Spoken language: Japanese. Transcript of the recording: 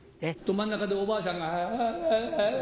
真ん中でおばあちゃんがあぁ。